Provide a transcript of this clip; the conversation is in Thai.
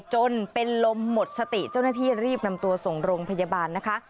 จนเป็นลมหมดสติเจ้าหน้าที่รีบนำตัวส่งโรงพยาบาลนะคะ